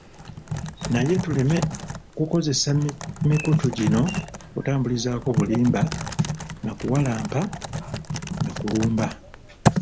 Naye tuleme kukozesa mikutu gino kutambulizaako bulimba, nakuwalampa, nakulumba.